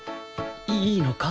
いいのか？